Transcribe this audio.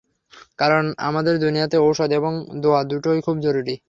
কারন আমাদের দুনিয়াতে ঔষধ এবং দোয়া দুটাই খুব জরুরি।